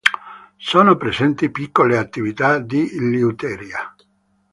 Sono presenti piccole attività di liuteria.